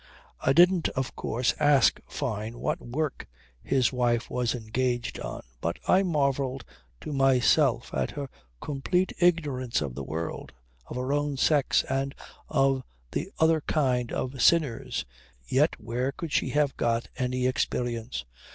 I didn't of course ask Fyne what work his wife was engaged on; but I marvelled to myself at her complete ignorance of the world, of her own sex and of the other kind of sinners. Yet, where could she have got any experience?